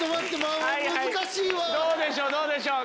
どうでしょう？